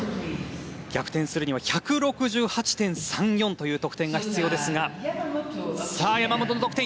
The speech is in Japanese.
逆転するには１６８．３４という得点が必要ですが山本の得点。